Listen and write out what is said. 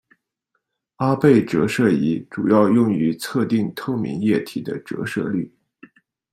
阿贝折射仪主要用于测定透明液体的折射率。